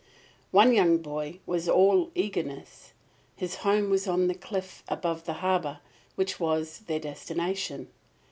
One young boy was all eagerness. His home was on the cliff above the harbour which was their destination.